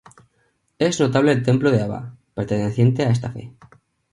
Es notable el Templo de Aba perteneciente a esta fe.